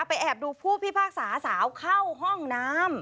แอบดูผู้พิพากษาสาวเข้าห้องน้ำ